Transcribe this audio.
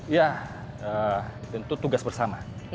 ya tentu tugas bersama